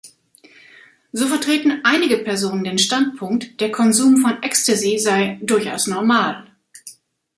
So vertreten einige Personen den Standpunkt, der Konsum von Ecstasy sei durchaus normal.